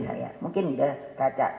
saya mungkin sudah kaca